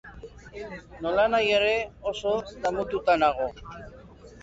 Nolanahi ere, oso damututa nago.